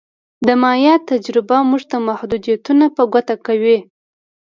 د مایا تجربه موږ ته محدودیتونه په ګوته کوي